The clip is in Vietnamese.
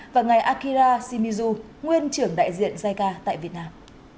và ngài akira shimizu nguyên trưởng đại diện giai ca tại việt nam